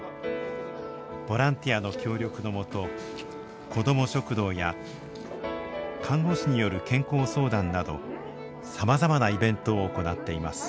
ボランティアの協力のもと子ども食堂や看護師による健康相談などさまざまなイベントを行っています。